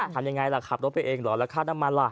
ทำยังไงล่ะขับรถไปเองเหรอแล้วค่าน้ำมันล่ะ